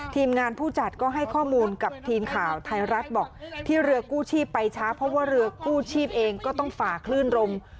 ทีมงานผู้จัดก็ให้ข้อมูลกับทีมข่าวไทยรัฐบอกที่เรือกู้ชีพไปช้าเพราะว่าเรือกู้ชีพเองก็ต้องฝ่าคลื่นลม